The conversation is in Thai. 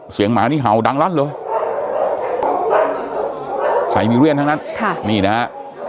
เสียงหมานี่เห่าดังรัดเลยใส่มีเลี่ยนทั้งนั้นค่ะนี่นะฮะ